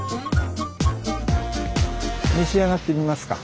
召し上がってみますか？